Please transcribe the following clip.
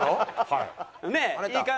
はい。